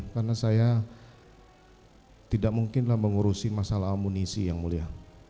karena saya tidak mungkinlah mengurusi masalah amunisi yang mulia